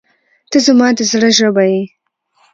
• ته زما د زړه ژبه یې.